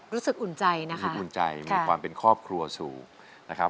รู้สึกอุ่นใจมีความเป็นครอบครัวสูง